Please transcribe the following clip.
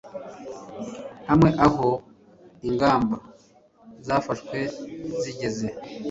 hamwe aho ingamba zafashwe zigeze